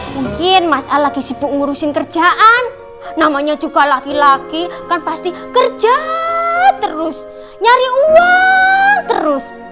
mungkin masalah lagi sibuk ngurusin kerjaan namanya juga laki laki kan pasti kerja terus nyari uang terus